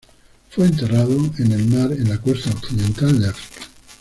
Fue enterrado en el mar en la costa occidental de África.